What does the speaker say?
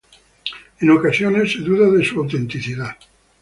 En ocasiones se duda de su autenticidad.